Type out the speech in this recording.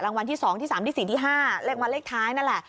รางวัลที่สองที่สามที่สี่ที่ห้าเล็กมาเล็กท้ายนั่นแหละ